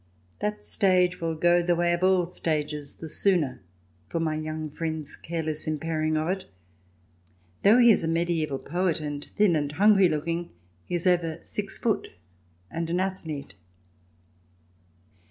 That stage will go the way of all stages the sooner for my young friend's careless impairing of it, for though he is a medieval poet, and thin and hungry looking, he is over six foot, and an athlete.